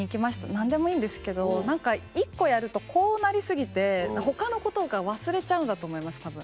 何でもいいんですけど何か１個やるとこうなり過ぎて他のことが忘れちゃうんだと思いますたぶん。